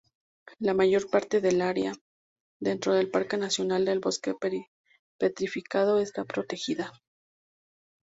La mayor parte del área dentro del parque nacional del Bosque Petrificado está protegida.